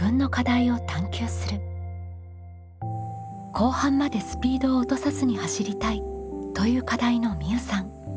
「後半までスピードを落とさずに走りたい」という課題のみうさん。